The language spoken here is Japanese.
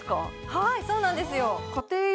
はいそうなんですよ